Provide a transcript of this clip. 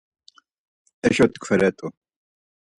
Eşo tkveret̆u.